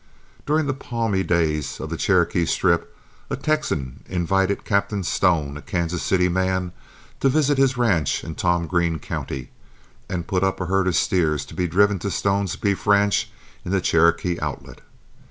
During the palmy days of the Cherokee Strip, a Texan invited Captain Stone, a Kansas City man, to visit his ranch in Tom Green County and put up a herd of steers to be driven to Stone's beef ranch in the Cherokee Outlet.